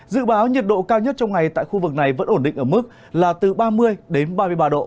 dự báo nhiệt độ cao nhất trong ngày tại khu vực này vẫn ổn định ở mức là từ ba mươi đến ba mươi ba độ